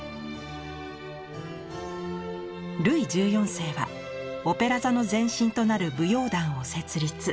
ルイ１４世はオペラ座の前身となる舞踊団を設立。